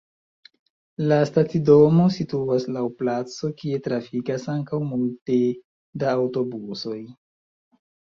La stacidomo situas laŭ placo, kie trafikas ankaŭ multe da aŭtobusoj.